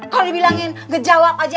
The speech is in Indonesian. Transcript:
kalo dibilangin ngejawab aja